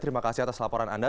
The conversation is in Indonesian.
terima kasih atas laporan anda